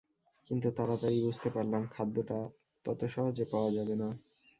কিন্তু তাড়াতাড়িই বুঝতে পারলাম খাদ্যটা ত্তত সহজে পাওয়া যাবে না।